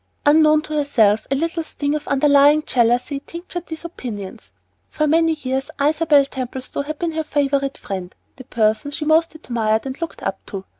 Unknown to herself a little sting of underlying jealousy tinctured these opinions. For many years Isabel Templestowe had been her favorite friend, the person she most admired and looked up to.